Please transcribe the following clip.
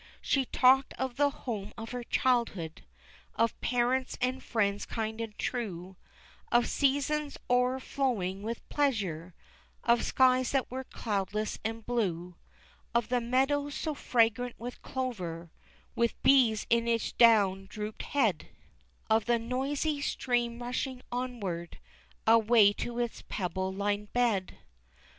She talked of the home of her childhood, Of parents and friends kind and true, Of seasons o'erflowing with pleasure, Of skies that were cloudless and blue, Of the meadows so fragrant with clover, With bees in each down drooping head, Of the noisy stream rushing onward, Away to its pebble lined bed.